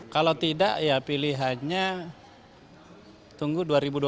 kalau tidak ya pilihannya tunggu dua ribu dua puluh empat